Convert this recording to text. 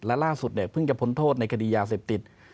และล่าสุดเภืองจะพ้นโทษในค่าดียาเสพติด